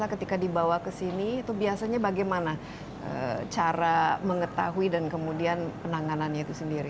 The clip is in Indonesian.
ketika dibawa ke sini itu biasanya bagaimana cara mengetahui dan kemudian penanganannya itu sendiri